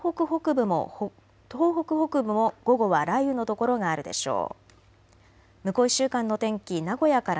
東北北部も午後は雷雨の所があるでしょう。